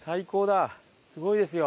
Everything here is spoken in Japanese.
すごいですよ。